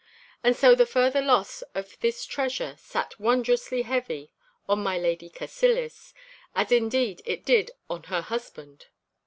And so the further loss of this treasure sat wondrously heavy on my Lady Cassillis, as indeed it did on her husband.